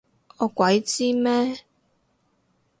我鬼知咩？